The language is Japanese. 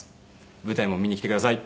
舞台も見に来てください。